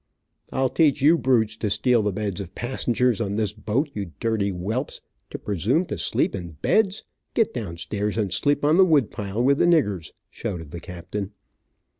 "I'll teach you brutes to steal the beds of passengers on this boat. You dirty whelps, to presume to sleep in beds. Get down stairs and sleep on the wood pile with the niggers," shouted the captain.